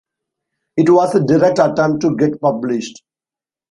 It was a direct attempt to get published.